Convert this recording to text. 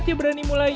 tolong bantu siapin